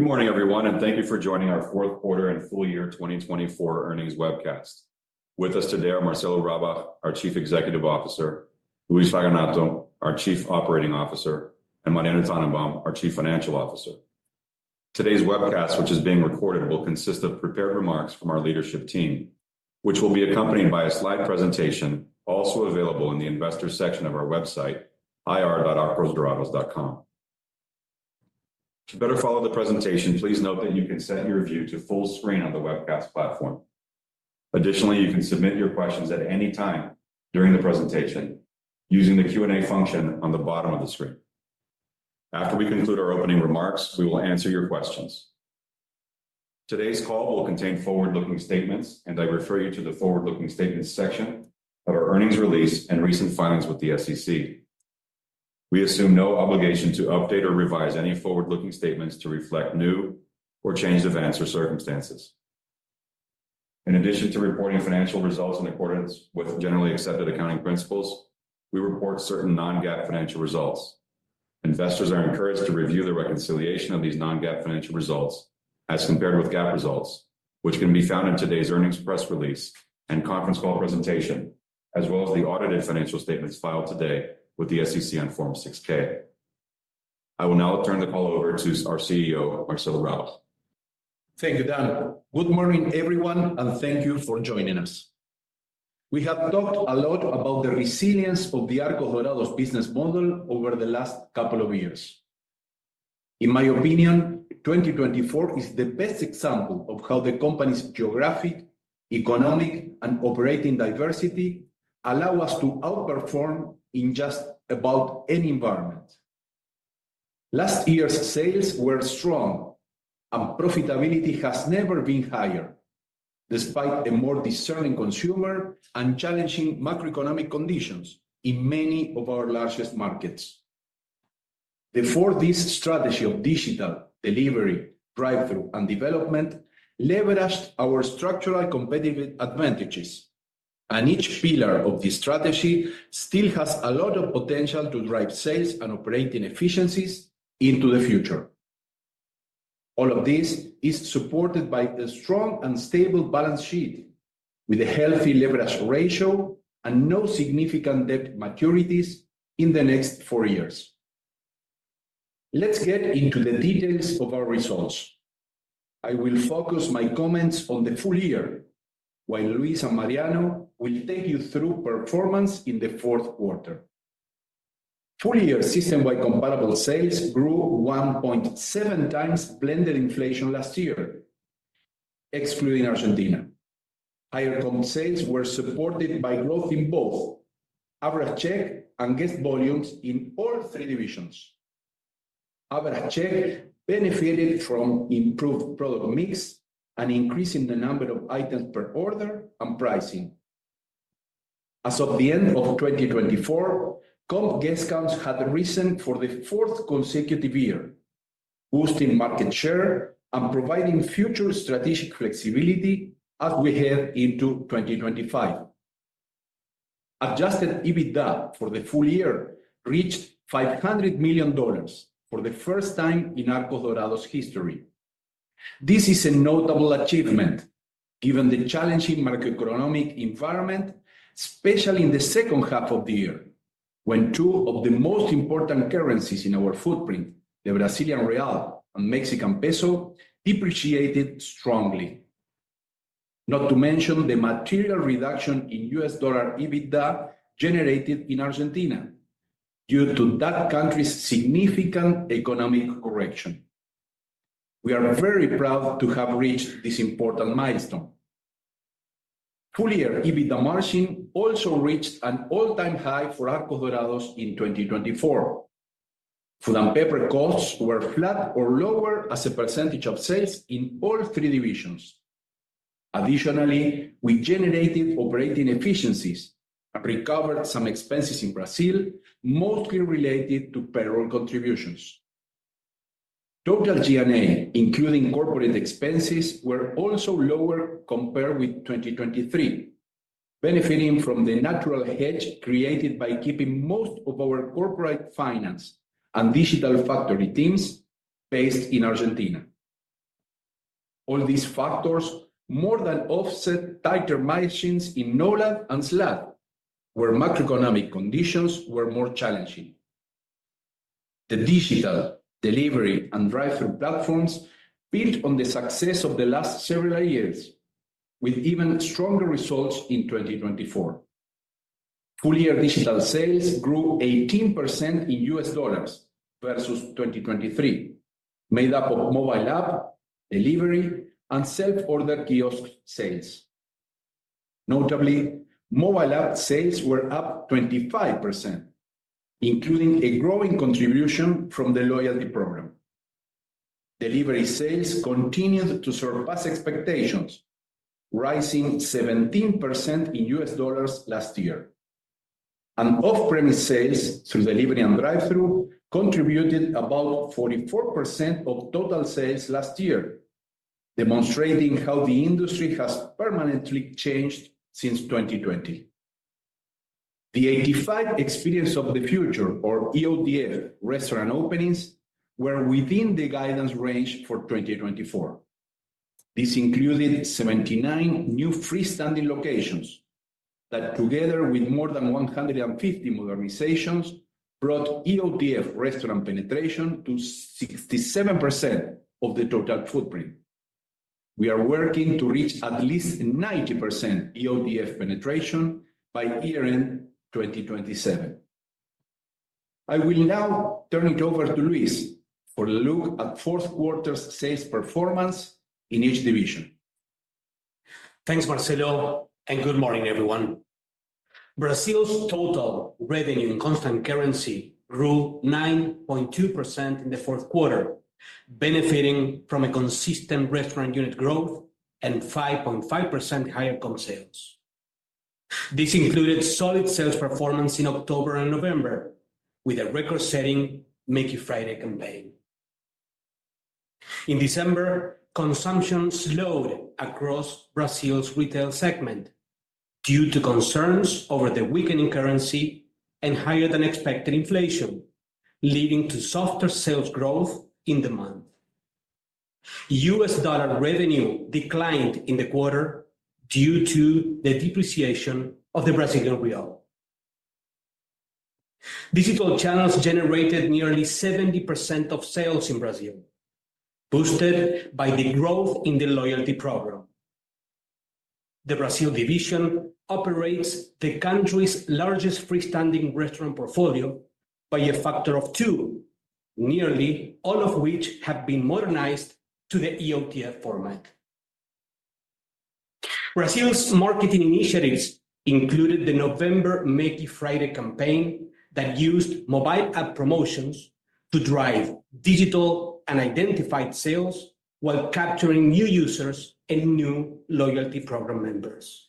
Good morning, everyone, and thank you for joining our Fourth Quarter and Full Year 2024 Earnings Webcast. With us today are Marcelo Rabach, our Chief Executive Officer; Luis Raganato, our Chief Operating Officer; and Mariano Tannenbaum, our Chief Financial Officer. Today's webcast, which is being recorded, will consist of prepared remarks from our leadership team, which will be accompanied by a slide presentation also available in the investor section of our website, ir.arcosdorados.com. To better follow the presentation, please note that you can set your view to full screen on the webcast platform. Additionally, you can submit your questions at any time during the presentation using the Q&A function on the bottom of the screen. After we conclude our opening remarks, we will answer your questions. Today's call will contain forward-looking statements, and I refer you to the forward-looking statements section of our earnings release and recent filings with the SEC. We assume no obligation to update or revise any forward-looking statements to reflect new or changed events or circumstances. In addition to reporting financial results in accordance with generally accepted accounting principles, we report certain non-GAAP financial results. Investors are encouraged to review the reconciliation of these non-GAAP financial results as compared with GAAP results, which can be found in today's earnings press release and conference call presentation, as well as the audited financial statements filed today with the SEC on Form 6-K. I will now turn the call over to our CEO, Marcelo Rabach. Thank you, Dan. Good morning, everyone, and thank you for joining us. We have talked a lot about the resilience of the Arcos Dorados business model over the last couple of years. In my opinion, 2024 is the best example of how the company's geographic, economic, and operating diversity allow us to outperform in just about any environment. Last year's sales were strong, and profitability has never been higher, despite a more discerning consumer and challenging macroeconomic conditions in many of our largest markets. The Four D's strategy of Digital, Delivery, Drive-through, and Development leveraged our structural competitive advantages, and each pillar of the strategy still has a lot of potential to drive sales and operating efficiencies into the future. All of this is supported by a strong and stable balance sheet with a healthy leverage ratio and no significant debt maturities in the next four years. Let's get into the details of our results. I will focus my comments on the full year, while Luis and Mariano will take you through performance in the fourth quarter. Full-year system-wide comparable sales grew 1.7 times blended inflation last year, excluding Argentina. Higher comp sales were supported by growth in both average check and guest volumes in all three divisions. Average check benefited from improved product mix and increasing the number of items per order and pricing. As of the end of 2024, comp guest counts had risen for the fourth consecutive year, boosting market share and providing future strategic flexibility as we head into 2025. Adjusted EBITDA for the full year reached $500 million for the first time in Arcos Dorados history. This is a notable achievement given the challenging macroeconomic environment, especially in the second half of the year, when two of the most important currencies in our footprint, the Brazilian real and Mexican peso, depreciated strongly. Not to mention the material reduction in U.S. dollar EBITDA generated in Argentina due to that country's significant economic correction. We are very proud to have reached this important milestone. Full-year EBITDA margin also reached an all-time high for Arcos Dorados in 2024. Food and paper costs were flat or lower as a percentage of sales in all three divisions. Additionally, we generated operating efficiencies and recovered some expenses in Brazil, mostly related to payroll contributions. Total G&A, including corporate expenses, were also lower compared with 2023, benefiting from the natural hedge created by keeping most of our corporate finance and digital factory teams based in Argentina. All these factors more than offset tighter margins in NOLAD and SLAD, where macroeconomic conditions were more challenging. The Digital, Delivery, and Drive-through platforms built on the success of the last several years, with even stronger results in 2024. Full-year digital sales grew 18% in U.S. dollars versus 2023, made up of Mobile App, Delivery, and Self-order Kiosk sales. Notably, Mobile App sales were up 25%, including a growing contribution from the loyalty program. Delivery sales continued to surpass expectations, rising 17% in U.S. dollars last year. Off-premise sales through delivery and drive-through contributed about 44% of total sales last year, demonstrating how the industry has permanently changed since 2020. The 85 Experience of the Future, or EOTF, restaurant openings were within the guidance range for 2024. This included 79 new freestanding locations that, together with more than 150 modernizations, brought EOTF restaurant penetration to 67% of the total footprint. We are working to reach at least 90% EOTF penetration by year-end 2027. I will now turn it over to Luis for a look at fourth quarter's sales performance in each division. Thanks, Marcelo, and good morning, everyone. Brazil's total revenue in constant currency grew 9.2% in the fourth quarter, benefiting from a consistent restaurant unit growth and 5.5% higher comp sales. This included solid sales performance in October and November, with a record-setting Méqui Friday campaign. In December, consumption slowed across Brazil's retail segment due to concerns over the weakening currency and higher-than-expected inflation, leading to softer sales growth in the month. U.S. dollar revenue declined in the quarter due to the depreciation of the Brazilian real. Digital channels generated nearly 70% of sales in Brazil, boosted by the growth in the loyalty program. The Brazil division operates the country's largest freestanding restaurant portfolio by a factor of two, nearly all of which have been modernized to the EOTF format. Brazil's marketing initiatives included the November Méqui Friday campaign that used Mobile App promotions to drive digital and identified sales while capturing new users and new loyalty program members.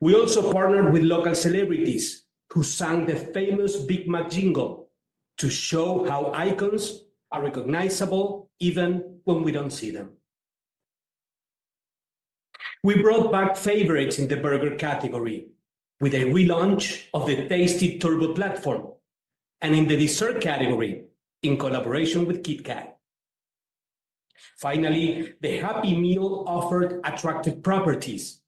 We also partnered with local celebrities who sang the famous Big Mac Jingle to show how icons are recognizable even when we do not see them. We brought back favorites in the burger category with a relaunch of the Tasty Turbo platform and in the dessert category in collaboration with KitKat. Finally, the Happy Meal offered attractive properties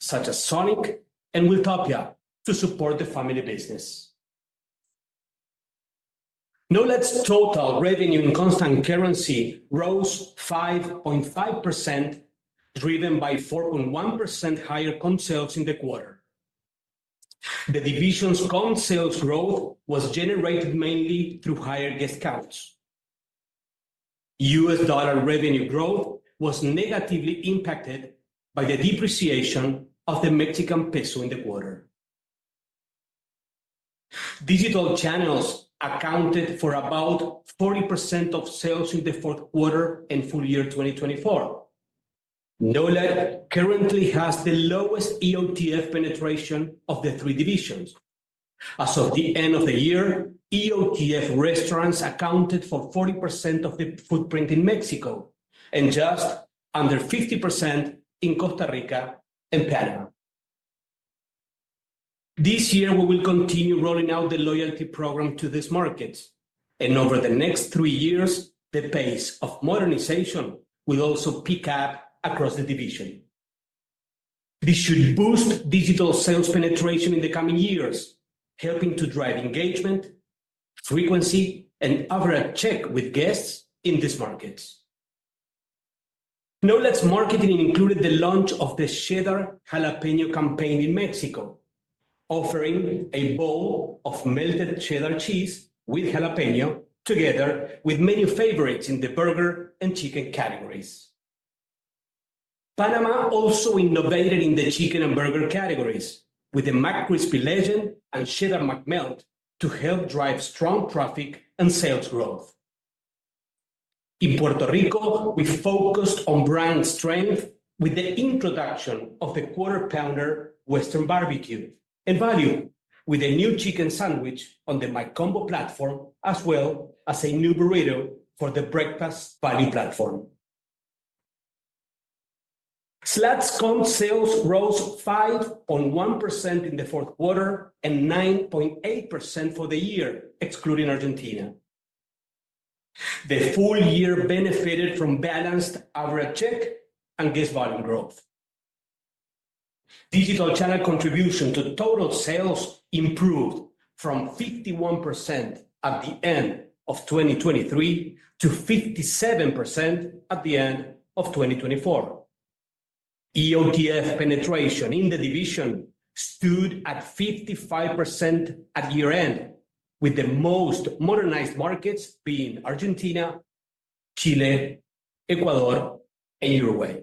such as Sonic and Wiltopia to support the family business. NOLAD's total revenue in constant currency rose 5.5%, driven by 4.1% higher comp sales in the quarter. The division's comp sales growth was generated mainly through higher guest counts. U.S. dollar revenue growth was negatively impacted by the depreciation of the Mexican peso in the quarter. Digital channels accounted for about 40% of sales in the fourth quarter and full year 2024. NOLAD currently has the lowest EOTF penetration of the three divisions. As of the end of the year, EOTF restaurants accounted for 40% of the footprint in Mexico and just under 50% in Costa Rica and Panama. This year, we will continue rolling out the loyalty program to these markets, and over the next three years, the pace of modernization will also pick up across the division. This should boost digital sales penetration in the coming years, helping to drive engagement, frequency, and average check with guests in these markets. NOLAD's marketing included the launch of the Cheddar Jalapeño campaign in Mexico, offering a bowl of melted cheddar cheese with jalapeño together with menu favorites in the burger and chicken categories. Panama also innovated in the chicken and burger categories with the McCrispy Chicken Legend and Cheddar McMelt to help drive strong traffic and sales growth. In Puerto Rico, we focused on brand strength with the introduction of the Quarter Pounder Western BBQ and value with a new chicken sandwich on the My Combo platform, as well as a new burrito for the Breakfast Value platform. SLAD's comparable sales rose 5.1% in the fourth quarter and 9.8% for the year, excluding Argentina. The full year benefited from balanced average check and guest volume growth. Digital channel contribution to total sales improved from 51% at the end of 2023 to 57% at the end of 2024. EOTF penetration in the division stood at 55% at year-end, with the most modernized markets being Argentina, Chile, Ecuador, and Uruguay.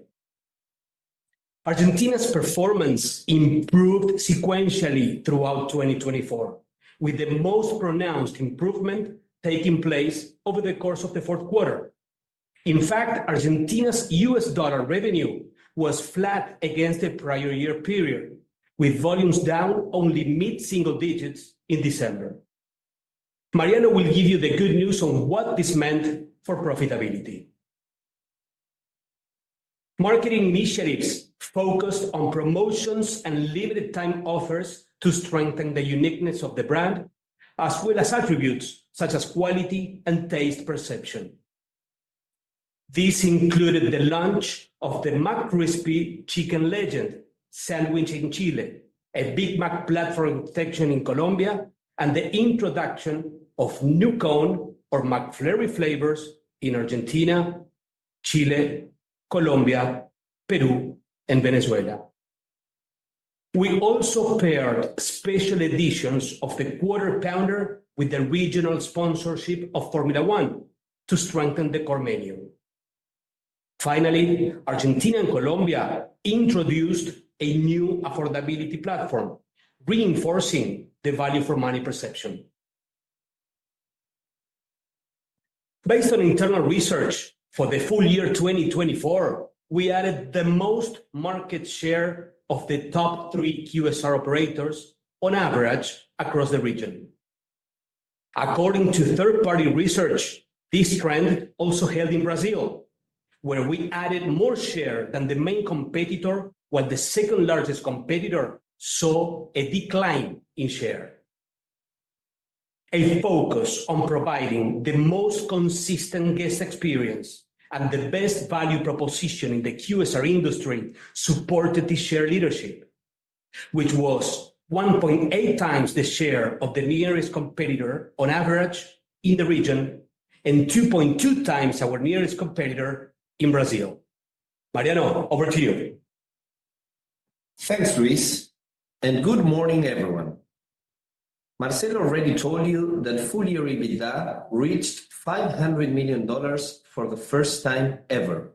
Argentina's performance improved sequentially throughout 2024, with the most pronounced improvement taking place over the course of the fourth quarter. In fact, Argentina's U.S. dollar revenue was flat against the prior year period, with volumes down only mid-single digits in December. Mariano will give you the good news on what this meant for profitability. Marketing initiatives focused on promotions and limited-time offers to strengthen the uniqueness of the brand, as well as attributes such as quality and taste perception. This included the launch of the McCrispy Chicken Legend sandwich in Chile, a Big Mac platform section in Colombia, and the introduction of new cone or McFlurry flavors in Argentina, Chile, Colombia, Peru, and Venezuela. We also paired special editions of the Quarter Pounder with the regional sponsorship of Formula 1 to strengthen the core menu. Finally, Argentina and Colombia introduced a new affordability platform, reinforcing the value-for-money perception. Based on internal research for the full year 2024, we added the most market share of the top three QSR operators on average across the region. According to third-party research, this trend also held in Brazil, where we added more share than the main competitor, while the second-largest competitor saw a decline in share. A focus on providing the most consistent guest experience and the best value proposition in the QSR industry supported this share leadership, which was 1.8 times the share of the nearest competitor on average in the region and 2.2 times our nearest competitor in Brazil. Mariano, over to you. Thanks, Luis, and good morning, everyone. Marcelo already told you that full-year EBITDA reached $500 million for the first time ever,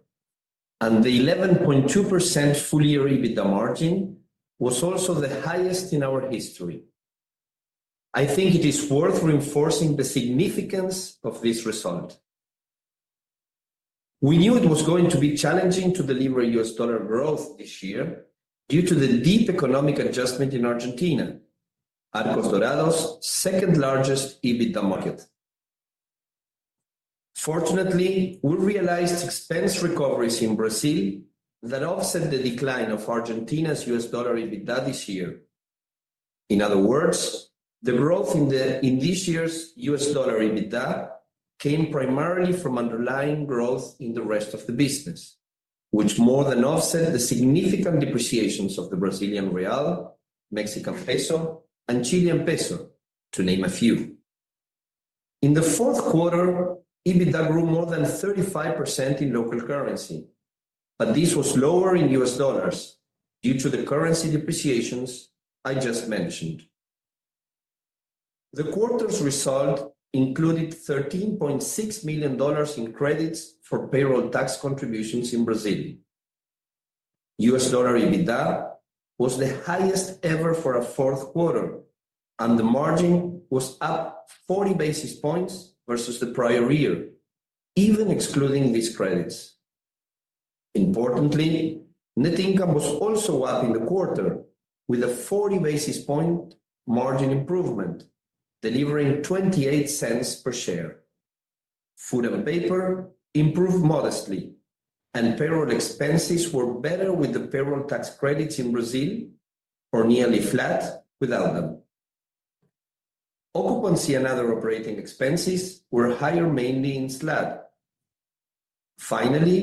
and the 11.2% full-year EBITDA margin was also the highest in our history. I think it is worth reinforcing the significance of this result. We knew it was going to be challenging to deliver U.S. dollar growth this year due to the deep economic adjustment in Argentina, Arcos Dorados' second-largest EBITDA market. Fortunately, we realized expense recoveries in Brazil that offset the decline of Argentina's U.S. dollar EBITDA this year. In other words, the growth in this year's U.S. dollar EBITDA came primarily from underlying growth in the rest of the business, which more than offset the significant depreciations of the Brazilian real, Mexican peso, and Chilean peso, to name a few. In the fourth quarter, EBITDA grew more than 35% in local currency, but this was lower in U.S. dollars due to the currency depreciations I just mentioned. The quarter's result included $13.6 million in credits for payroll tax contributions in Brazil. U.S. dollar EBITDA was the highest ever for a fourth quarter, and the margin was up 40 basis points versus the prior year, even excluding these credits. Importantly, net income was also up in the quarter with a 40 basis point margin improvement, delivering $0.28 per share. Food and paper improved modestly, and payroll expenses were better with the payroll tax credits in Brazil or nearly flat without them. Occupancy and other operating expenses were higher mainly in SLAD. Finally,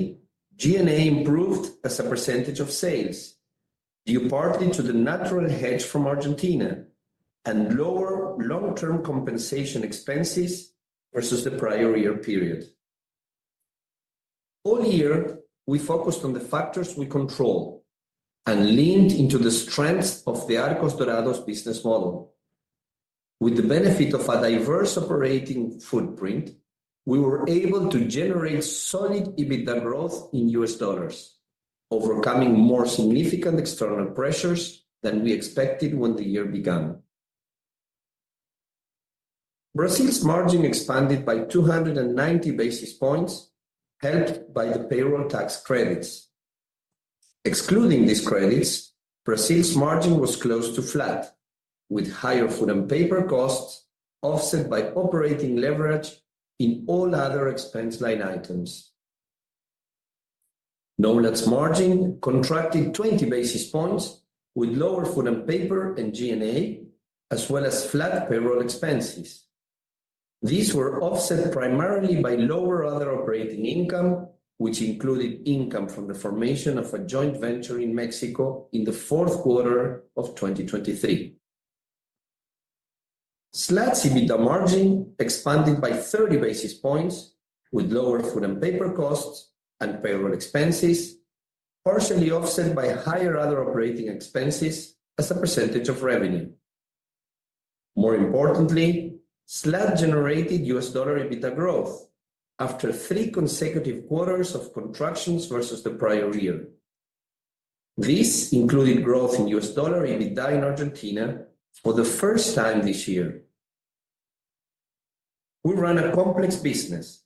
G&A improved as a percentage of sales, due partly to the natural hedge from Argentina and lower long-term compensation expenses versus the prior year period. All year, we focused on the factors we control and leaned into the strength of the Arcos Dorados business model. With the benefit of a diverse operating footprint, we were able to generate solid EBITDA growth in U.S. dollars, overcoming more significant external pressures than we expected when the year began. Brazil's margin expanded by 290 basis points, helped by the payroll tax credits. Excluding these credits, Brazil's margin was close to flat, with higher food and paper costs offset by operating leverage in all other expense line items. NOLAD's margin contracted 20 basis points with lower food and paper and G&A, as well as flat payroll expenses. These were offset primarily by lower other operating income, which included income from the formation of a joint venture in Mexico in the fourth quarter of 2023. SLAD's EBITDA margin expanded by 30 basis points with lower food and paper costs and payroll expenses, partially offset by higher other operating expenses as a percentage of revenue. More importantly, SLAD generated U.S. dollar EBITDA growth after three consecutive quarters of contractions versus the prior year. This included growth in U.S. dollar EBITDA in Argentina for the first time this year. We run a complex business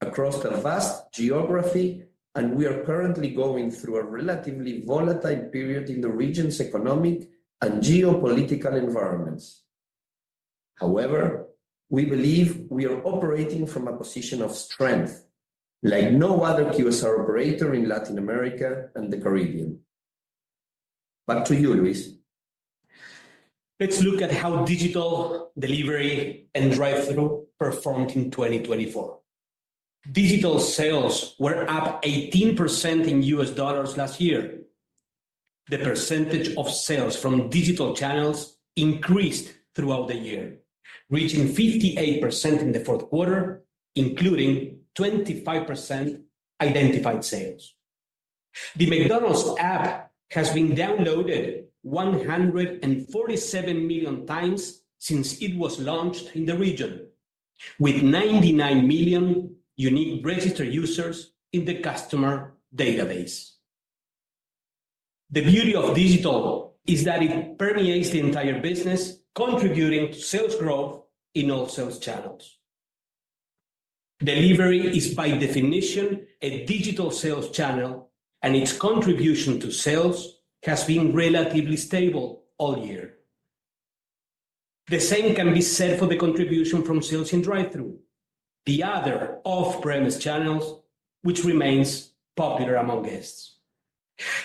across the vast geography, and we are currently going through a relatively volatile period in the region's economic and geopolitical environments. However, we believe we are operating from a position of strength, like no other QSR operator in Latin America and the Caribbean. Back to you, Luis. Let's look at how digital delivery and drive-through performed in 2024. Digital sales were up 18% in U.S. dollars last year. The percentage of sales from digital channels increased throughout the year, reaching 58% in the fourth quarter, including 25% identified sales. The McDonald's app has been downloaded 147 million times since it was launched in the region, with 99 million unique registered users in the customer database. The beauty of digital is that it permeates the entire business, contributing to sales growth in all sales channels. Delivery is, by definition, a digital sales channel, and its contribution to sales has been relatively stable all year. The same can be said for the contribution from sales in drive-through, the other off-premise channels, which remains popular among guests.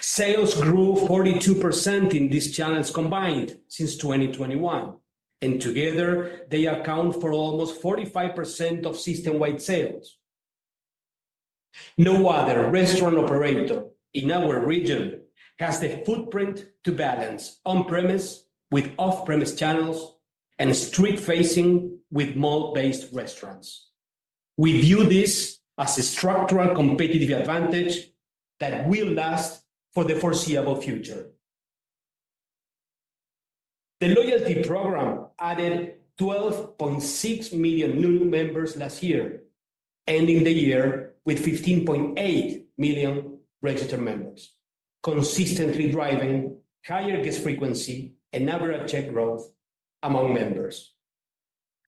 Sales grew 42% in these channels combined since 2021, and together, they account for almost 45% of system-wide sales. No other restaurant operator in our region has the footprint to balance on-premise with off-premise channels and street-facing with mall-based restaurants. We view this as a structural competitive advantage that will last for the foreseeable future. The loyalty program added 12.6 million new members last year, ending the year with 15.8 million registered members, consistently driving higher guest frequency and average check growth among members.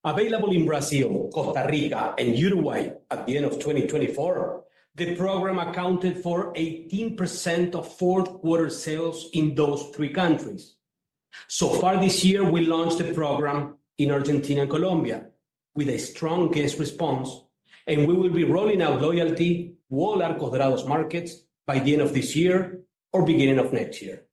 Available in Brazil, Costa Rica, and Uruguay at the end of 2024, the program accounted for 18% of fourth-quarter sales in those three countries. So far this year, we launched the program in Argentina and Colombia with a strong guest response, and we will be rolling out loyalty to all Arcos Dorados markets by the end of this year or beginning of next year.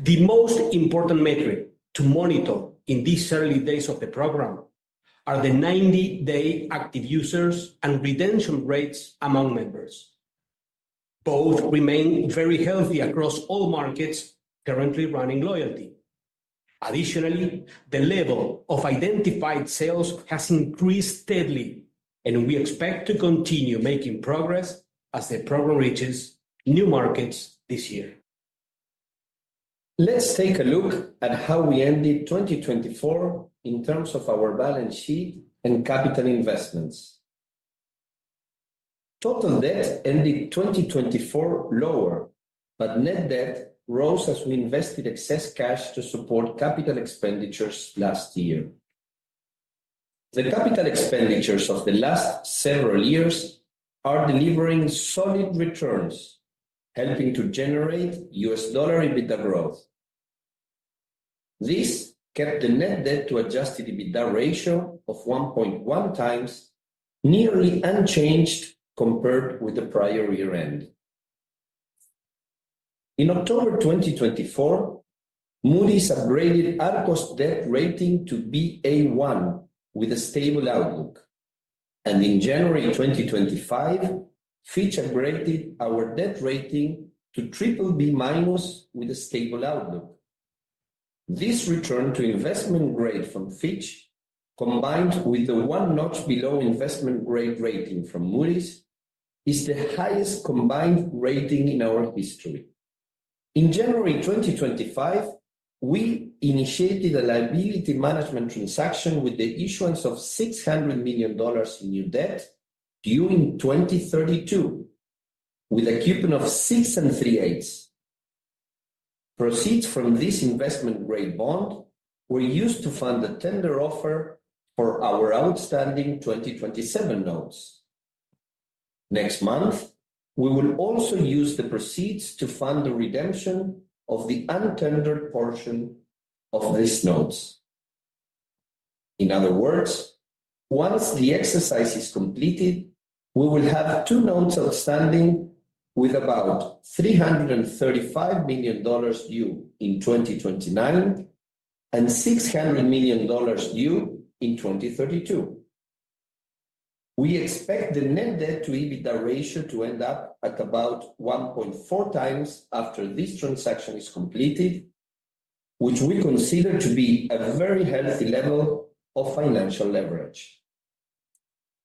The most important metric to monitor in these early days of the program are the 90-day active users and retention rates among members. Both remain very healthy across all markets currently running loyalty. Additionally, the level of identified sales has increased steadily, and we expect to continue making progress as the program reaches new markets this year. Let's take a look at how we ended 2024 in terms of our balance sheet and capital investments. Total debt ended 2024 lower, but net debt rose as we invested excess cash to support capital expenditures last year. The capital expenditures of the last several years are delivering solid returns, helping to generate U.S. dollar EBITDA growth. This kept the net debt-to-adjusted EBITDA ratio of 1.1x nearly unchanged compared with the prior year-end. In October 2024, Moody's upgraded Arcos Dorados' debt rating to Ba1 with a stable outlook, and in January 2025, Fitch upgraded our debt rating to BBB- with a stable outlook. This return to investment grade from Fitch, combined with the one notch below investment grade rating from Moody's, is the highest combined rating in our history. In January 2025, we initiated a liability management transaction with the issuance of $600 million in new debt due in 2032, with a coupon of 6 3/8. Proceeds from this investment grade bond were used to fund the tender offer for our outstanding 2027 notes. Next month, we will also use the proceeds to fund the redemption of the untendered portion of these notes. In other words, once the exercise is completed, we will have two notes outstanding with about $335 million due in 2029 and $600 million due in 2032. We expect the net debt-to-EBITDA ratio to end up at about 1.4x after this transaction is completed, which we consider to be a very healthy level of financial leverage.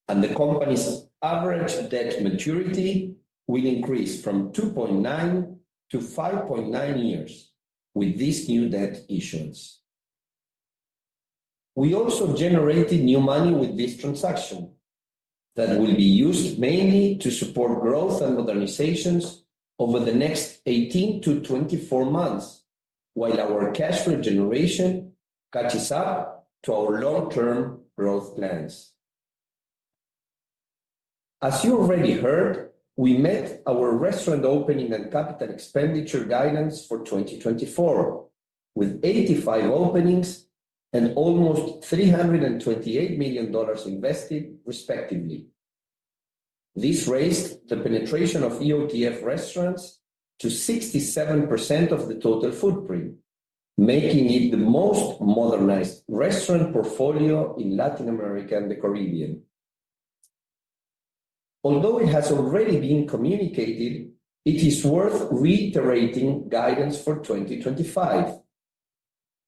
The company's average debt maturity will increase from 2.9 to 5.9 years with these new debt issuance. We also generated new money with this transaction that will be used mainly to support growth and modernizations over the next 18-24 months, while our cash regeneration catches up to our long-term growth plans. As you already heard, we met our restaurant opening and capital expenditure guidance for 2024, with 85 openings and almost $328 million invested, respectively. This raised the penetration of EOTF restaurants to 67% of the total footprint, making it the most modernized restaurant portfolio in Latin America and the Caribbean. Although it has already been communicated, it is worth reiterating guidance for 2025.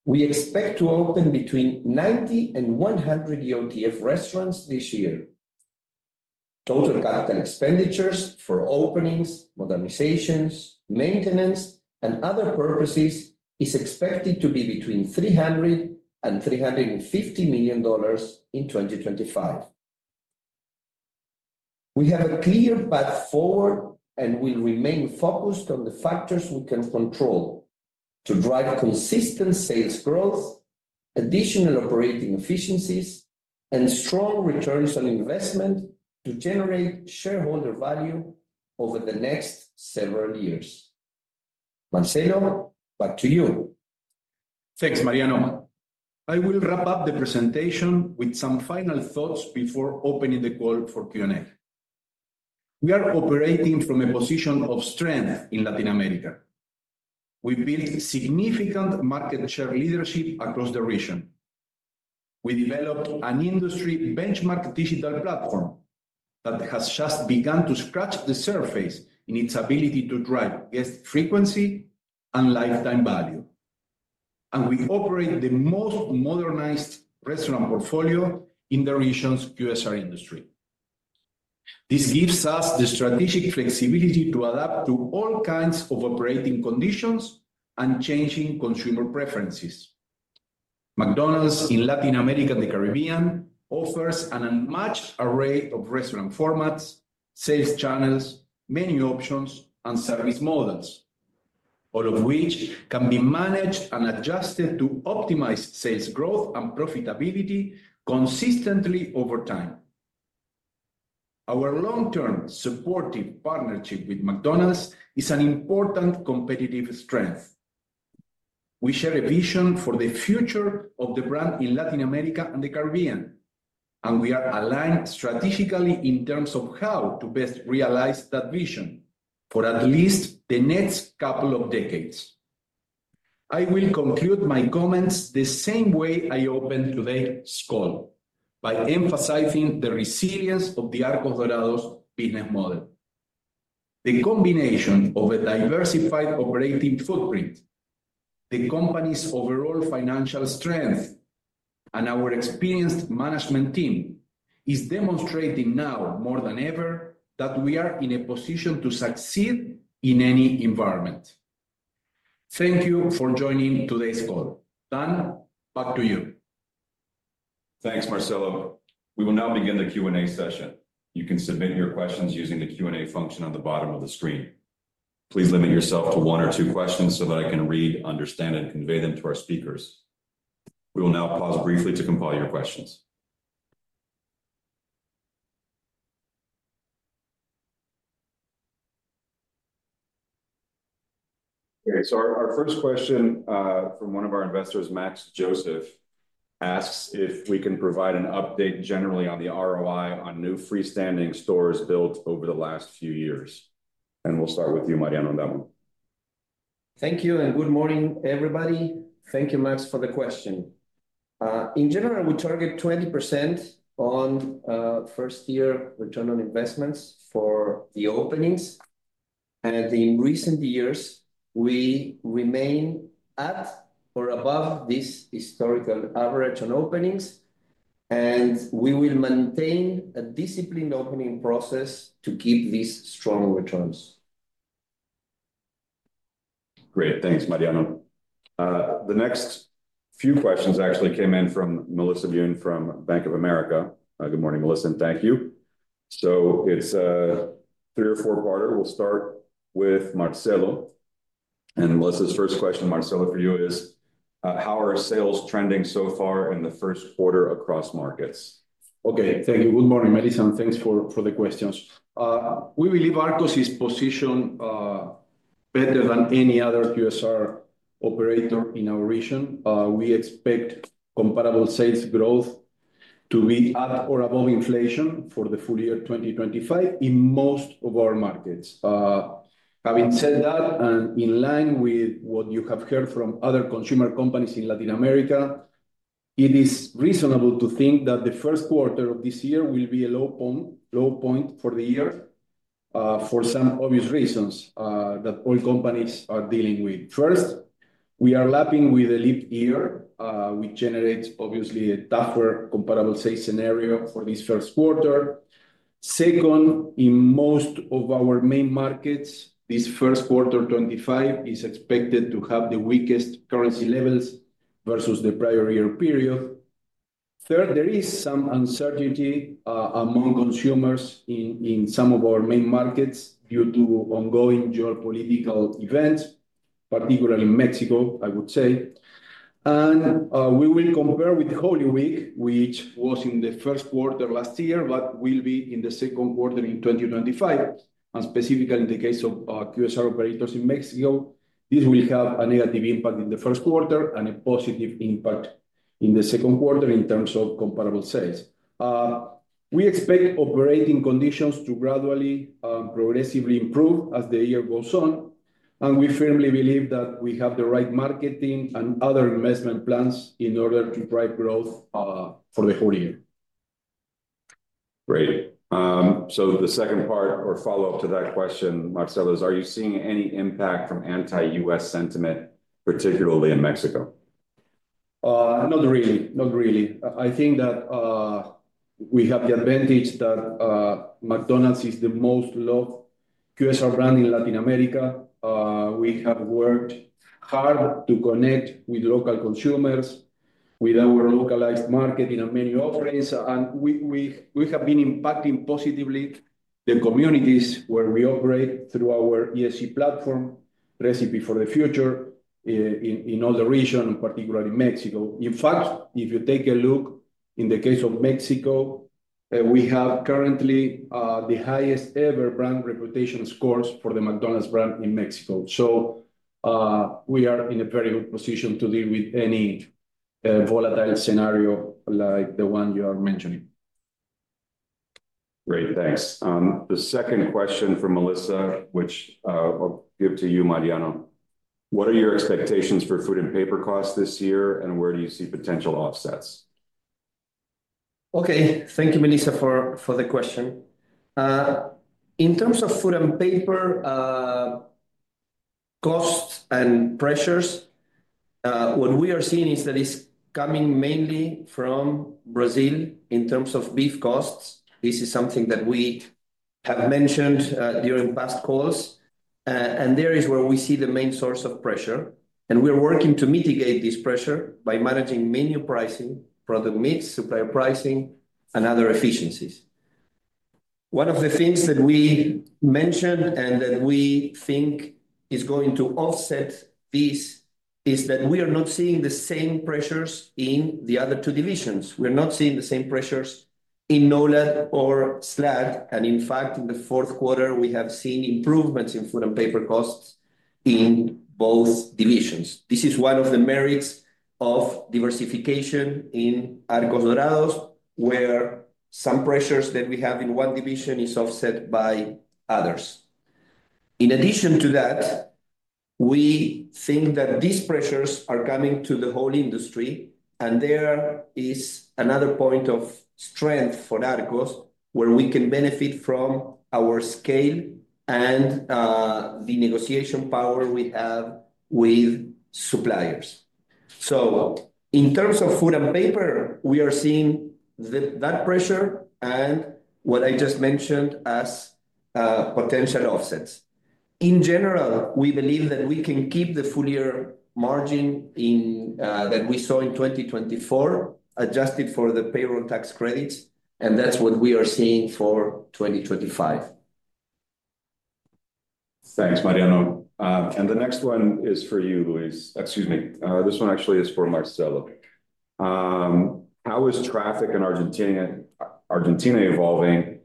We expect to open between 90 and 100 EOTF restaurants this year. Total capital expenditures for openings, modernizations, maintenance, and other purposes are expected to be between $300 million and $350 million in 2025. We have a clear path forward and will remain focused on the factors we can control to drive consistent sales growth, additional operating efficiencies, and strong returns on investment to generate shareholder value over the next several years. Marcelo, back to you. Thanks, Mariano. I will wrap up the presentation with some final thoughts before opening the call for Q&A. We are operating from a position of strength in Latin America. We built significant market share leadership across the region. We developed an industry benchmark digital platform that has just begun to scratch the surface in its ability to drive guest frequency and lifetime value. We operate the most modernized restaurant portfolio in the region's QSR industry. This gives us the strategic flexibility to adapt to all kinds of operating conditions and changing consumer preferences. McDonald's in Latin America and the Caribbean offers an unmatched array of restaurant formats, sales channels, menu options, and service models, all of which can be managed and adjusted to optimize sales growth and profitability consistently over time. Our long-term supportive partnership with McDonald's is an important competitive strength. We share a vision for the future of the brand in Latin America and the Caribbean, and we are aligned strategically in terms of how to best realize that vision for at least the next couple of decades. I will conclude my comments the same way I opened today's call, by emphasizing the resilience of the Arcos Dorados business model. The combination of a diversified operating footprint, the company's overall financial strength, and our experienced management team is demonstrating now more than ever that we are in a position to succeed in any environment. Thank you for joining today's call. Dan, back to you. Thanks, Marcelo. We will now begin the Q&A session. You can submit your questions using the Q&A function on the bottom of the screen. Please limit yourself to one or two questions so that I can read, understand, and convey them to our speakers. We will now pause briefly to compile your questions. Okay, our first question from one of our investors, Max Joseph, asks if we can provide an update generally on the ROI on new freestanding stores built over the last few years. We will start with you, Mariano, on that one. Thank you and good morning, everybody. Thank you, Max, for the question. In general, we target 20% on first-year return on investments for the openings. In recent years, we remain at or above this historical average on openings, and we will maintain a disciplined opening process to keep these strong returns. Great. Thanks, Mariano. The next few questions actually came in from Melissa Byun from Bank of America. Good morning, Melissa, and thank you. It's a three or four-parter. We'll start with Marcelo. Melissa's first question, Marcelo, for you is, how are sales trending so far in the first quarter across markets? Okay, thank you. Good morning, Melissa. Thank you for the questions. We believe Arcos is positioned better than any other QSR operator in our region. We expect comparable sales growth to be at or above inflation for the full year 2025 in most of our markets. Having said that, and in line with what you have heard from other consumer companies in Latin America, it is reasonable to think that the first quarter of this year will be a low point for the year for some obvious reasons that all companies are dealing with. First, we are lapping with a leap year, which generates, obviously, a tougher comparable sales scenario for this first quarter. Second, in most of our main markets, this first quarter 2025 is expected to have the weakest currency levels versus the prior year period. Third, there is some uncertainty among consumers in some of our main markets due to ongoing geopolitical events, particularly in Mexico, I would say. We will compare with Holy Week, which was in the first quarter last year, but will be in the second quarter in 2025. Specifically, in the case of QSR operators in Mexico, this will have a negative impact in the first quarter and a positive impact in the second quarter in terms of comparable sales. We expect operating conditions to gradually and progressively improve as the year goes on. We firmly believe that we have the right marketing and other investment plans in order to drive growth for the whole year. Great. The second part or follow-up to that question, Marcelo, is, are you seeing any impact from anti-U.S. sentiment, particularly in Mexico? Not really. I think that we have the advantage that McDonald's is the most loved QSR brand in Latin America. We have worked hard to connect with local consumers, with our localized marketing and menu offerings. We have been impacting positively the communities where we operate through our ESG platform, Recipe for the Future, in all the region, particularly Mexico. In fact, if you take a look in the case of Mexico, we have currently the highest ever brand reputation scores for the McDonald's brand in Mexico. We are in a very good position to deal with any volatile scenario like the one you are mentioning. Great. Thanks. The second question for Melissa, which I'll give to you, Mariano. What are your expectations for food and paper costs this year, and where do you see potential offsets? Okay. Thank you, Melissa, for the question. In terms of food and paper costs and pressures, what we are seeing is that it's coming mainly from Brazil in terms of beef costs. This is something that we have mentioned during past calls. There is where we see the main source of pressure. We are working to mitigate this pressure by managing menu pricing, product mix, supplier pricing, and other efficiencies. One of the things that we mentioned and that we think is going to offset this is that we are not seeing the same pressures in the other two divisions. We are not seeing the same pressures in NOLAD or SLAD. In fact, in the fourth quarter, we have seen improvements in food and paper costs in both divisions. This is one of the merits of diversification in Arcos Dorados, where some pressures that we have in one division are offset by others. In addition to that, we think that these pressures are coming to the whole industry. There is another point of strength for Arcos, where we can benefit from our scale and the negotiation power we have with suppliers. In terms of food and paper, we are seeing that pressure and what I just mentioned as potential offsets. In general, we believe that we can keep the full-year margin that we saw in 2024 adjusted for the payroll tax credits. That is what we are seeing for 2025. Thanks, Mariano. The next one is for you, Luis. Excuse me. This one actually is for Marcelo. How is traffic in Argentina evolving?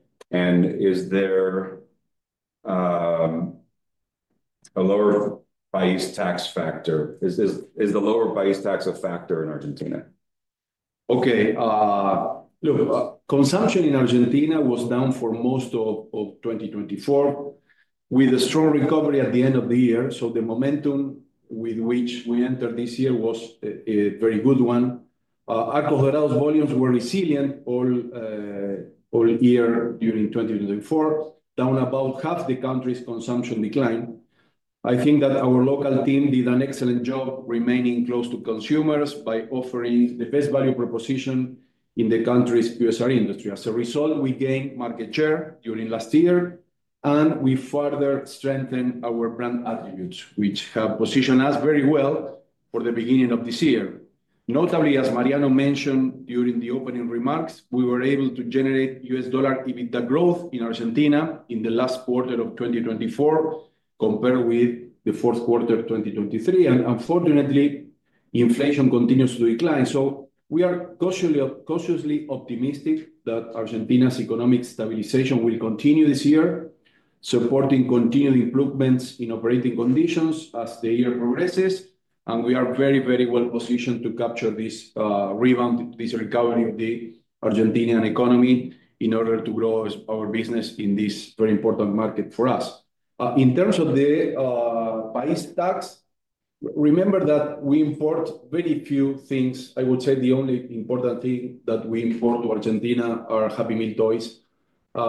Is the lower PAIS tax a factor in Argentina? Okay. Look, consumption in Argentina was down for most of 2024, with a strong recovery at the end of the year. The momentum with which we entered this year was a very good one. Arcos Dorados volumes were resilient all year during 2024, down about half the country's consumption decline. I think that our local team did an excellent job remaining close to consumers by offering the best value proposition in the country's QSR industry. As a result, we gained market share during last year, and we further strengthened our brand attributes, which have positioned us very well for the beginning of this year. Notably, as Mariano mentioned during the opening remarks, we were able to generate U.S. dollar EBITDA growth in Argentina in the last quarter of 2024 compared with the fourth quarter of 2023. Unfortunately, inflation continues to decline. We are cautiously optimistic that Argentina's economic stabilization will continue this year, supporting continued improvements in operating conditions as the year progresses. We are very, very well positioned to capture this rebound, this recovery of the Argentinian economy in order to grow our business in this very important market for us. In terms of the PAIS tax, remember that we import very few things. I would say the only important thing that we import to Argentina are Happy Meal toys. The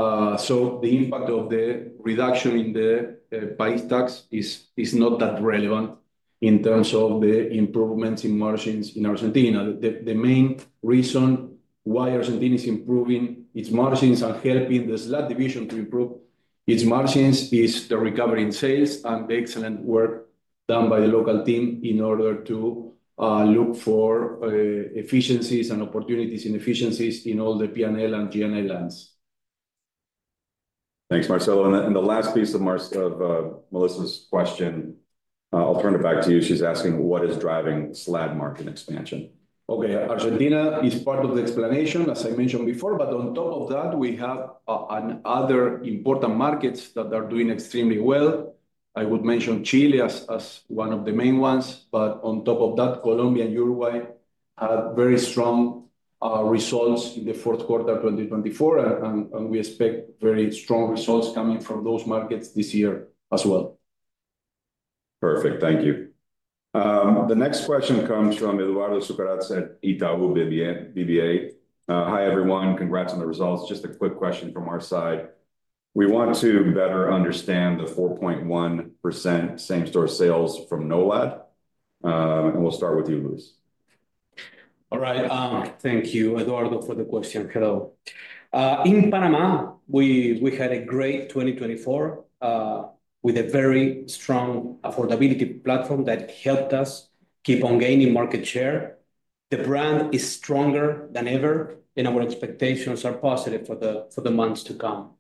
impact of the reduction in the PAIS tax is not that relevant in terms of the improvements in margins in Argentina. The main reason why Argentina is improving its margins and helping the SLAD division to improve its margins is the recovery in sales and the excellent work done by the local team in order to look for efficiencies and opportunities in efficiencies in all the P&L and G&A lines. Thanks, Marcelo. The last piece of Melissa's question, I'll turn it back to you. She's asking, what is driving SLAD margin expansion? Okay. Argentina is part of the explanation, as I mentioned before. On top of that, we have other important markets that are doing extremely well. I would mention Chile as one of the main ones. On top of that, Colombia and Uruguay had very strong results in the fourth quarter of 2024. We expect very strong results coming from those markets this year as well. Perfect. Thank you. The next question comes from Eduardo Sucarrats at Itaú BBA. Hi, everyone. Congrats on the results. Just a quick question from our side. We want to better understand the 4.1% same-store sales from NOLAD. And we'll start with you, Luis. All right. Thank you, Eduardo, for the question. Hello. In Panama, we had a great 2024 with a very strong affordability platform that helped us keep on gaining market share. The brand is stronger than ever, and our expectations are positive for the months to come.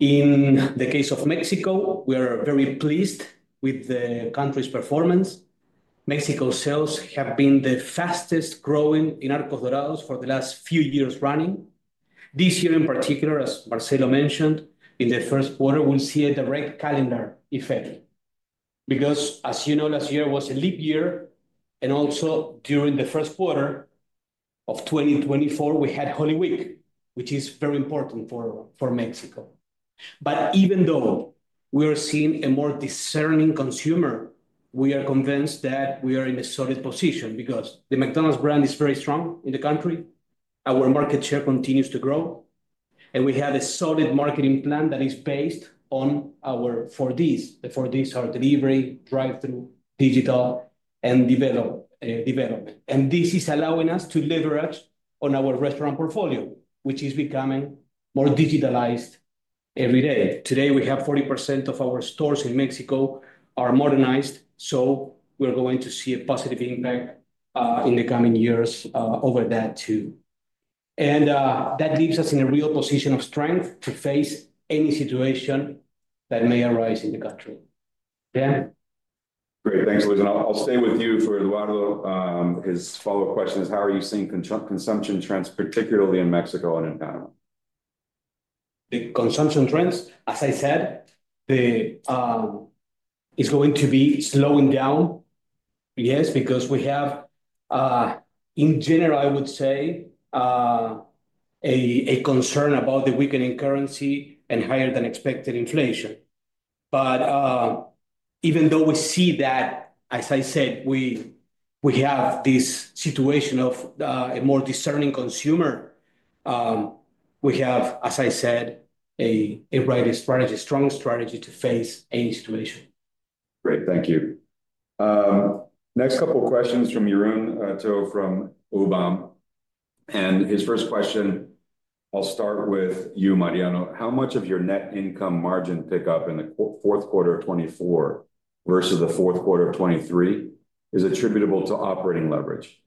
In the case of Mexico, we are very pleased with the country's performance. Mexico's sales have been the fastest growing in Arcos Dorados for the last few years running. This year, in particular, as Marcelo mentioned, in the first quarter, we'll see a direct calendar effect because, as you know, last year was a leap year. Also, during the first quarter of 2024, we had Holy Week, which is very important for Mexico. Even though we are seeing a more discerning consumer, we are convinced that we are in a solid position because the McDonald's brand is very strong in the country. Our market share continues to grow. We have a solid marketing plan that is based on our Four D's. The Four D's are Delivery, Drive-through, Digital, and Develop. This is allowing us to leverage on our restaurant portfolio, which is becoming more digitalized every day. Today, we have 40% of our stores in Mexico modernized. We are going to see a positive impact in the coming years over that too. That leaves us in a real position of strength to face any situation that may arise in the country. Yeah. Great. Thanks, Luis. I'll stay with you for Eduardo. His follow-up question is, how are you seeing consumption trends, particularly in Mexico and in Panama? The consumption trends, as I said, it's going to be slowing down, yes, because we have, in general, I would say, a concern about the weakening currency and higher-than-expected inflation. Even though we see that, as I said, we have this situation of a more discerning consumer, we have, as I said, a bright strategy, a strong strategy to face any situation. Great. Thank you. Next couple of questions from Jeroen Touw from OBAM. His first question, I'll start with you, Mariano. How much of your net income margin pickup in the fourth quarter of 2024 versus the fourth quarter of 2023 is attributable to operating leverage?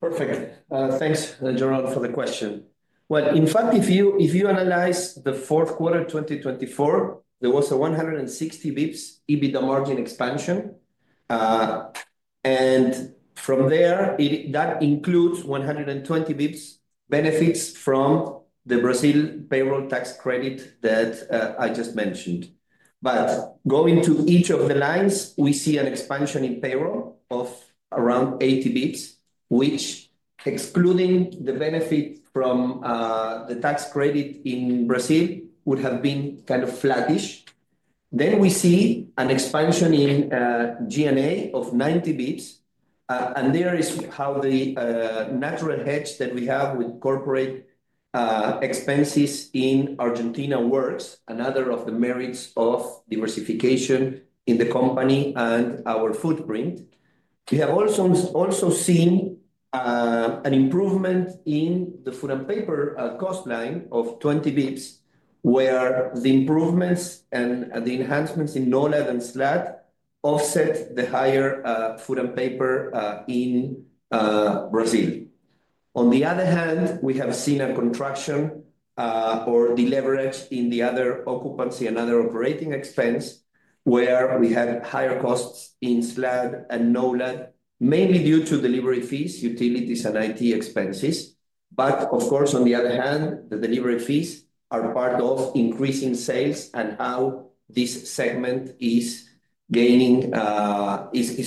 Perfect. Thanks, Jeroen, for the question. In fact, if you analyze the fourth quarter of 2024, there was a 160 bps EBITDA margin expansion. From there, that includes 120 bps benefits from the Brazil payroll tax credit that I just mentioned. Going to each of the lines, we see an expansion in payroll of around 80 bps, which, excluding the benefit from the tax credit in Brazil, would have been kind of flattish. We see an expansion in G&A of 90 bps. There is how the natural hedge that we have with corporate expenses in Argentina works, another of the merits of diversification in the company and our footprint. We have also seen an improvement in the food and paper cost line of 20 bps, where the improvements and the enhancements in NOLAD and SLAD offset the higher food and paper in Brazil. On the other hand, we have seen a contraction or deleverage in the other occupancy and other operating expense, where we have higher costs in SLAD and NOLAD, mainly due to delivery fees, utilities, and IT expenses. Of course, on the other hand, the delivery fees are part of increasing sales and how this segment is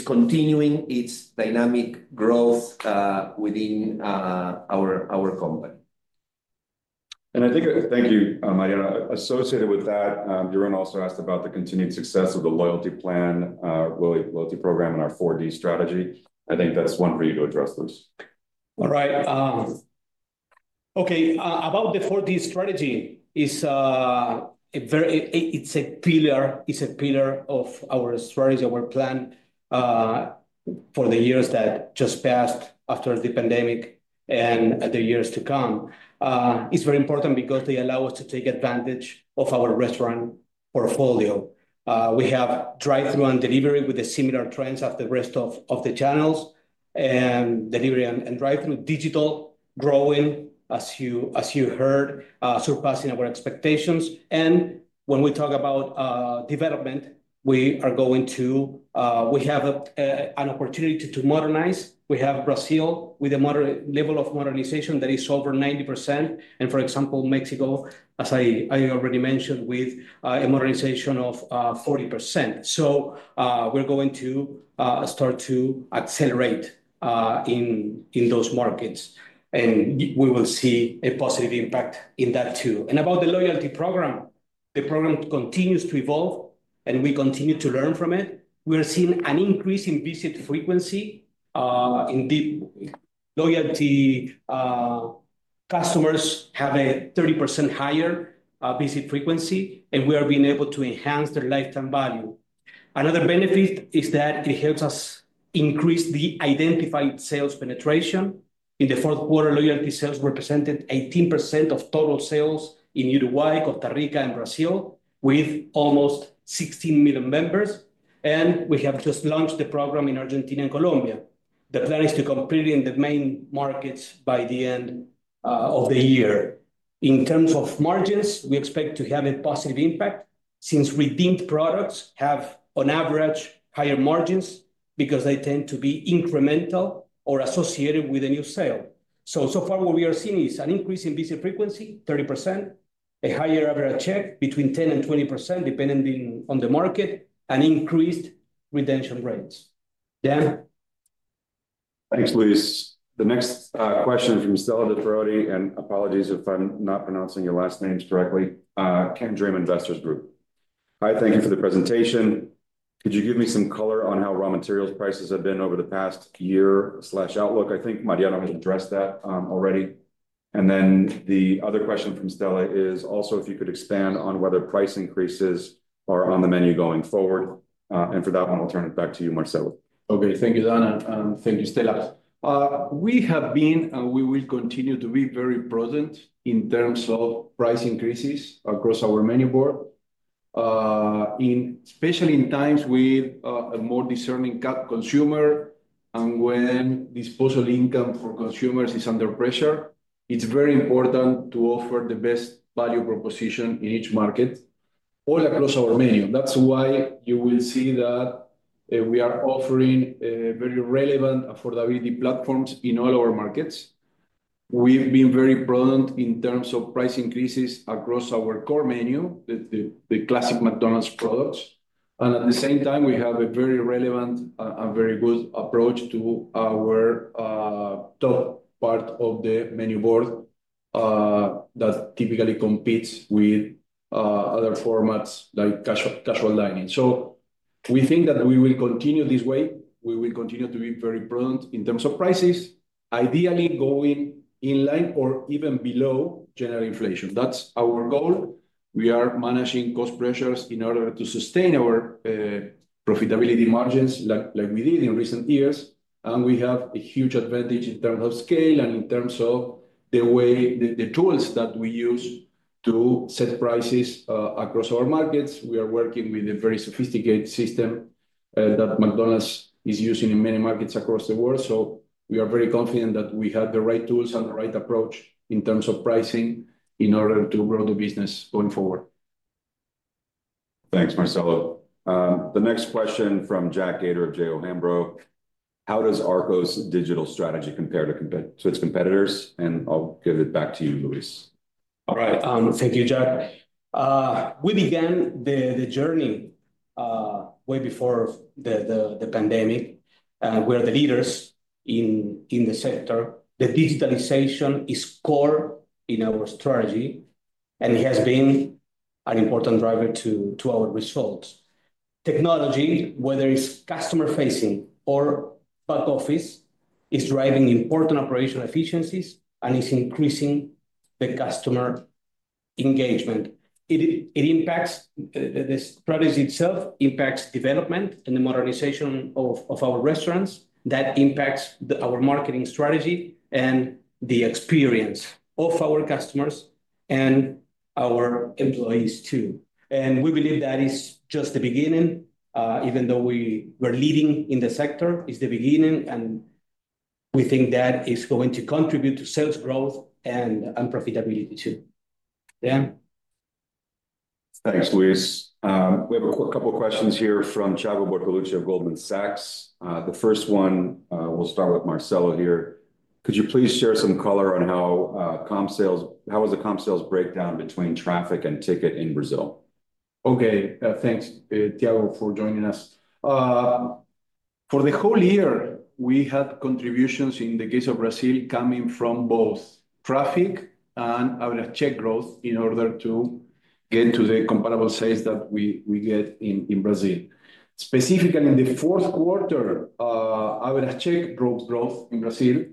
continuing its dynamic growth within our company. I think thank you, Mariano. Associated with that, Jeroen also asked about the continued success of the loyalty program and our Four D strategy. I think that's one for you to address, Luis. All right. Okay. About the Four D strategy, it's a pillar of our strategy, our plan for the years that just passed after the pandemic and the years to come. It's very important because they allow us to take advantage of our restaurant portfolio. We have drive-through and delivery with similar trends as the rest of the channels, and delivery and drive-through digital growing, as you heard, surpassing our expectations. When we talk about development, we are going to have an opportunity to modernize. We have Brazil with a level of modernization that is over 90%. For example, Mexico, as I already mentioned, with a modernization of 40%. We are going to start to accelerate in those markets. We will see a positive impact in that too. About the loyalty program, the program continues to evolve, and we continue to learn from it. We are seeing an increase in visit frequency. Indeed, loyalty customers have a 30% higher visit frequency, and we are being able to enhance their lifetime value. Another benefit is that it helps us increase the identified sales penetration. In the fourth quarter, loyalty sales represented 18% of total sales in Uruguay, Costa Rica, and Brazil, with almost 16 million members. We have just launched the program in Argentina and Colombia. The plan is to complete it in the main markets by the end of the year. In terms of margins, we expect to have a positive impact since redeemed products have, on average, higher margins because they tend to be incremental or associated with a new sale. What we are seeing is an increase in visit frequency, 30%, a higher average check between 10%-20%, depending on the market, and increased redemption rates. Yeah. Thanks, Luis. The next question is from Stella de Feraudy, and apologies if I'm not pronouncing your last names correctly. Candriam Investors Group. Hi. Thank you for the presentation. Could you give me some color on how raw materials prices have been over the past year/outlook? I think Mariano has addressed that already. The other question from Stella is also if you could expand on whether price increases are on the menu going forward. For that one, I'll turn it back to you, Marcelo. Okay. Thank you, Dan and thank you, Stella. We have been and we will continue to be very present in terms of price increases across our menu board, especially in times with a more discerning consumer. When disposable income for consumers is under pressure, it's very important to offer the best value proposition in each market all across our menu. That's why you will see that we are offering very relevant affordability platforms in all our markets. We've been very prudent in terms of price increases across our core menu, the classic McDonald's products. At the same time, we have a very relevant and very good approach to our top part of the menu board that typically competes with other formats like casual dining. We think that we will continue this way. We will continue to be very prudent in terms of prices, ideally going in line or even below general inflation. That is our goal. We are managing cost pressures in order to sustain our profitability margins like we did in recent years. We have a huge advantage in terms of scale and in terms of the way the tools that we use to set prices across our markets. We are working with a very sophisticated system that McDonald's is using in many markets across the world. We are very confident that we have the right tools and the right approach in terms of pricing in order to grow the business going forward. Thanks, Marcelo. The next question from Jack Gater of JO Hambro. How does Arcos' digital strategy compare to its competitors? I'll give it back to you, Luis. All right. Thank you, Jack. We began the journey way before the pandemic. We are the leaders in the sector. The digitalization is core in our strategy, and it has been an important driver to our results. Technology, whether it's customer-facing or back office, is driving important operational efficiencies and is increasing the customer engagement. It impacts the strategy itself, impacts development and the modernization of our restaurants. That impacts our marketing strategy and the experience of our customers and our employees too. We believe that is just the beginning, even though we're leading in the sector. It's the beginning, and we think that is going to contribute to sales growth and profitability too. Yeah. Thanks, Luis. We have a couple of questions here from Thiago Bortoluci of Goldman Sachs. The first one, we'll start with Marcelo here. Could you please share some color on how was the comp sales breakdown between traffic and ticket in Brazil? Okay. Thanks, Thiago, for joining us. For the whole year, we had contributions in the case of Brazil coming from both traffic and average check growth in order to get to the comparable sales that we get in Brazil. Specifically, in the fourth quarter, average check growth in Brazil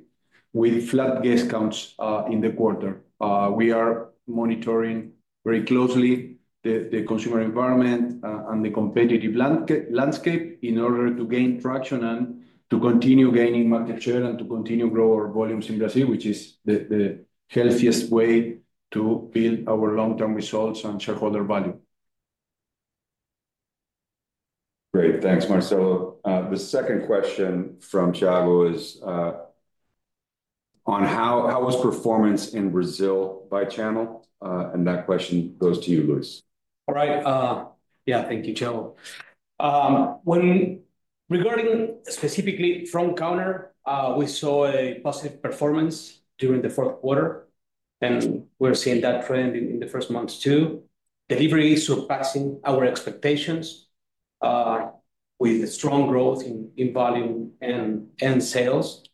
with flat guest counts in the quarter. We are monitoring very closely the consumer environment and the competitive landscape in order to gain traction and to continue gaining market share and to continue growing our volumes in Brazil, which is the healthiest way to build our long-term results and shareholder value. Great. Thanks, Marcelo. The second question from Thiago is on how was performance in Brazil by channel? That question goes to you, Luis. All right. Yeah. Thank you, Thiago. Regarding specifically front counter, we saw a positive performance during the fourth quarter, and we're seeing that trend in the first months too. Delivery is surpassing our expectations with strong growth in volume and sales.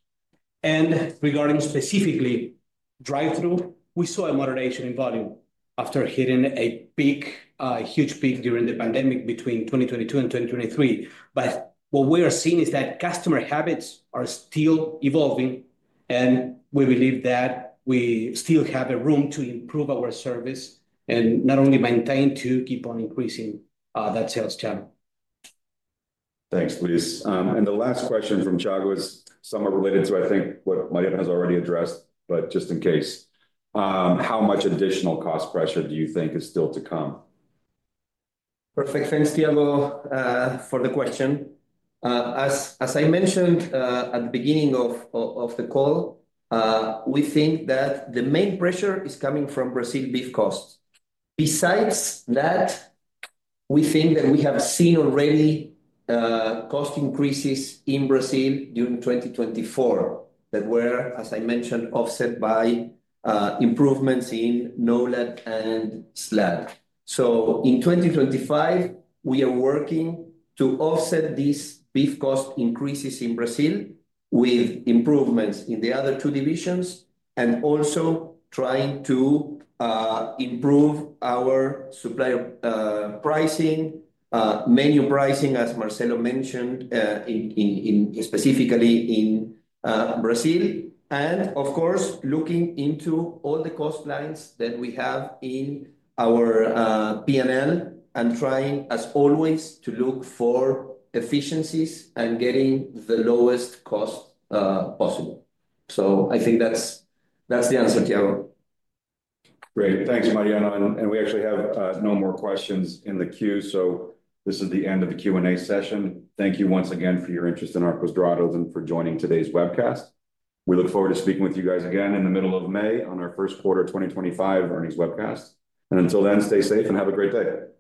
Regarding specifically drive-through, we saw a moderation in volume after hitting a huge peak during the pandemic between 2022 and 2023. What we are seeing is that customer habits are still evolving, and we believe that we still have room to improve our service and not only maintain but keep on increasing that sales channel. Thanks, Luis. The last question from Thiago is somewhat related to, I think, what Mariano has already addressed, but just in case. How much additional cost pressure do you think is still to come? Perfect. Thanks, Thiago, for the question. As I mentioned at the beginning of the call, we think that the main pressure is coming from Brazil beef costs. Besides that, we think that we have seen already cost increases in Brazil during 2024 that were, as I mentioned, offset by improvements in NOLAD and SLAD. In 2025, we are working to offset these beef cost increases in Brazil with improvements in the other two divisions and also trying to improve our supplier pricing, menu pricing, as Marcelo mentioned, specifically in Brazil. Of course, looking into all the cost lines that we have in our P&L and trying, as always, to look for efficiencies and getting the lowest cost possible. I think that's the answer, Thiago. Great. Thanks, Mariano. We actually have no more questions in the queue. This is the end of the Q&A session. Thank you once again for your interest in Arcos Dorados and for joining today's webcast. We look forward to speaking with you guys again in the middle of May on our first quarter 2025 earnings webcast. Until then, stay safe and have a great day.